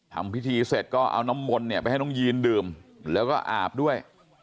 ทำพิธีเสร็จก็เอาน้ำมนต์เนี่ยไปให้น้องยีนดื่มแล้วก็อาบด้วย